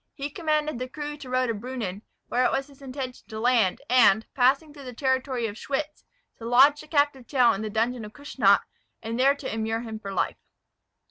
He commanded the crew to row to Brunnen, where it was his intention to land, and, passing through the territory of Schwyz, to lodge the captive Tell in the dungeon of Kussnacht, and there to immure him for life.